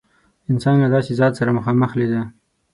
انسان له داسې ذات سره مخامخ لیده.